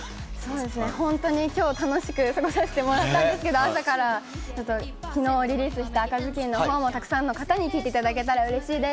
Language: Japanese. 本当に今日楽しく過ごさせてもらったんですけど、朝から、昨日リリースした『赤ずきん』のほうも沢山の方に聴いていただけたら嬉しいです。